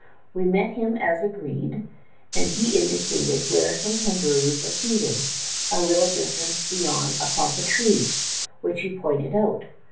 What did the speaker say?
"We met him as agreed, and he indicated where some kangaroos were feeding, a little distance beyond a clump of trees which he pointed out.